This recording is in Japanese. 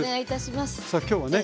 さあ今日はね